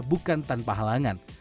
bukan tanpa halangan